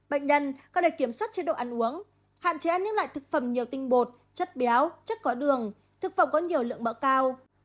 bệnh nhân cần để kiểm soát chế độ ăn uống hạn chế ăn những loại thực phẩm nhiều tinh bột chất béo chất có đường thực phẩm có nhiều lượng mỡ cao